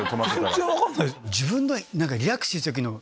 全然分かんないです。